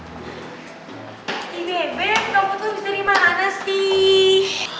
ihh bebep kamu tuh bisa dimana sih